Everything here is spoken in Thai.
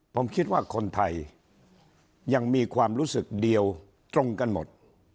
ผมคิดว่าคนไทยยังมีความรู้สึกเดียวตรงกันหมด